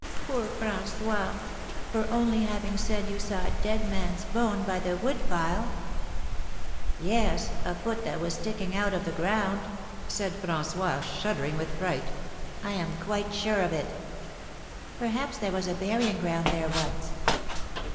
"Poor François! for only having said you saw a dead man's bone by the wood pile." "Yes, a foot that was sticking out of the ground," said François, shuddering with fright; "I am quite sure of it." "Perhaps there was a burying ground there once."